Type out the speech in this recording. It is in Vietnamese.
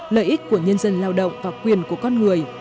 lợi ích của nhân dân lao động và quyền của con người